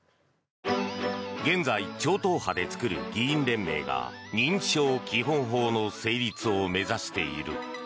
現在、超党派で作る議員連盟が認知症基本法の成立を目指している。